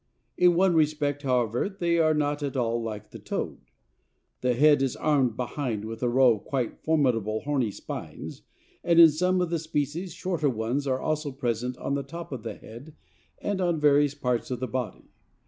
In one respect, however, they are not at all like the toad. The head is armed behind with a row of quite formidable horny spines, and in some of the species shorter ones are also present on the top of the head and on various parts of the body.